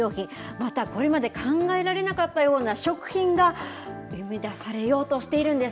またこれまで考えられなかったような食品が生み出されようとしているんです。